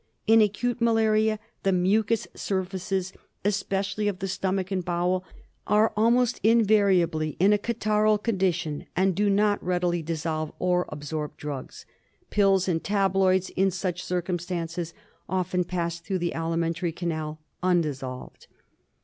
In acute malaria the mucous surfaces, especially of the stomach and bowel, are almost invariably in a catarrhal condition and do not readily dissolve or absorb drugs. Pills and tabloids in such circumstances often pass through the alimentary canal undissolved.